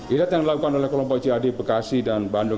idat yang dilakukan oleh kelompok jad bekasi dan bandung